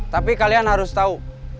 tapi kalian harus tahu